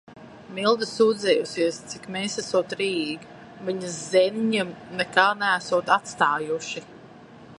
Milda sūdzējusies, cik mēs esot rijīgi, viņas zēniņiem nekā neesot atstājuši.